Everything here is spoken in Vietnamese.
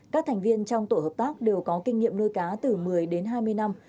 các thành viên trong tổ hợp tác đều có kinh nghiệm nuôi cá từ một mươi đến hai mươi năm